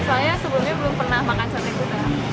soalnya sebelumnya belum pernah makan sate juga